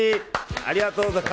ありがとうございます。